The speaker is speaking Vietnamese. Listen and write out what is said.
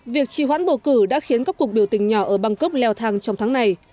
việc trì hoãn bầu cử đã khiến các cuộc biểu tình nhỏ ở bangkok leo thang trong tháng này